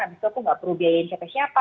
habis itu aku enggak perlu biayain siapa siapa